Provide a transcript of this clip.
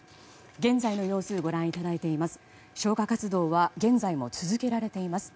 現在の様子をご覧いただいています。